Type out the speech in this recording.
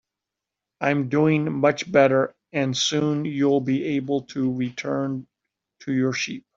I'm doing much better, and soon you'll be able to return to your sheep.